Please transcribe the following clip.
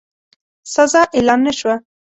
سزا اعلان نه شوه.